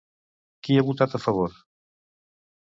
Qui ha votat a favor?